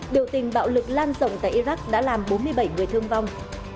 biểu tình bạo lực lan rộng tại iraq đã làm bốn mươi bảy người thương vong